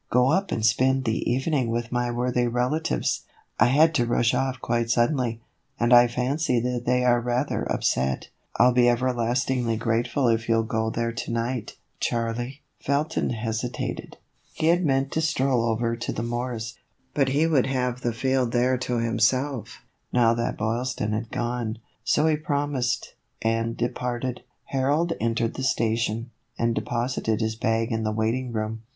" Go up and spend the evening with my worthy relatives. I had to rush off quite suddenly, and I fancy that they are rather upset. I '11 be ever lastingly grateful if you'll go there to night, Charlie." Felton hesitated. He had meant to stroll over to the Moore's, but he would have the field there to himself, now that Boylston had gone, so he promised, and departed. Harold entered the station, and deposited his bag in the waiting room.